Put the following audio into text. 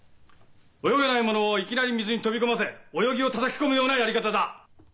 泳げない者をいきなり水に飛び込ませ泳ぎをたたき込むようなやり方だ。